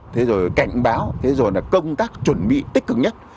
thế rồi cảnh báo công tác chuẩn bị tích cực nhất